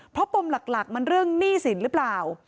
เพราะปมหลักมันเรื่องหนี้สินหรือเปล่า